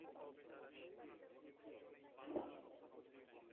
তারপর বাকী অধিকাংশই উচ্চ ভাব নিতে অক্ষম।